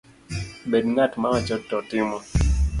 Bed ng’at mawacho to timo